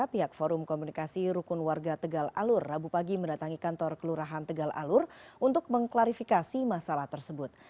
pihak forum komunikasi rukun warga tegal alur rabu pagi mendatangi kantor kelurahan tegal alur untuk mengklarifikasi masalah tersebut